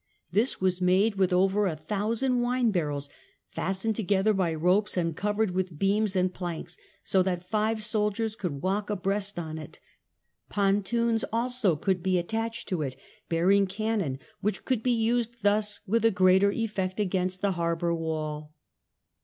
This was made with over a thousand wine barrels, fastened together by ropes and covered with beams and planks, so that five soldiers could walk abreast on it ; pontoons also could be attached to it, bearing cannon which could be used thus with a greater effect against the harbour wall.